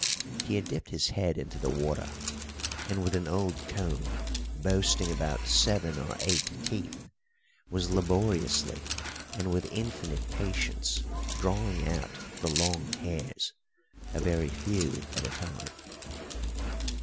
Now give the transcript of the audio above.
He had dipped his head into the water, and with an old comb, boasting about seven or eight teeth, was laboriously and with infinite patience drawing out the long hairs, a very few at a time.